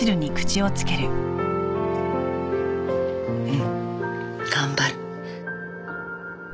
うん頑張る。